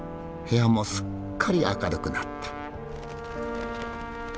部屋もすっかり明るくなった。